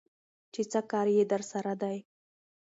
چې څه کار يې درسره دى?